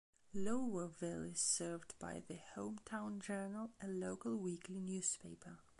Lowellville is served by the "Hometown Journal", a local weekly newspaper.